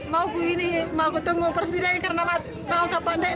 mau ketemu presiden karena mau ke pandena